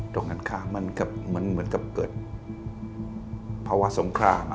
ตรงกันข้ามันเหมือนเกิดภาวะสงคราม